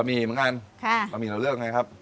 บะหมี่มาข้างเราเลือกไงครับ